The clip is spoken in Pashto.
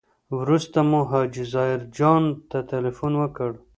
وروسته مو حاجي ظاهر جان ته تیلفون وکړ.